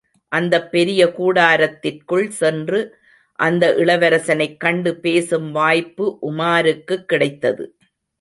அந்தப் பெரிய கூடாரத்திற்குள் சென்று அந்த இளவரசனைக் கண்டு பேசும் வாய்ப்பு உமாருக்குக் கிடைத்தது.